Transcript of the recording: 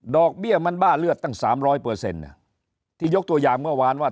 เบี้ยมันบ้าเลือดตั้ง๓๐๐ที่ยกตัวอย่างเมื่อวานว่า